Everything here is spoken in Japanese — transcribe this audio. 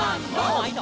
「まいど！」